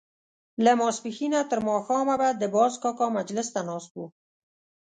له ماسپښينه تر ماښامه به د باز کاکا مجلس ته ناست وو.